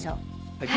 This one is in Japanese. はい。